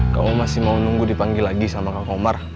kamu masih mau nunggu dipanggil lagi sama kang komar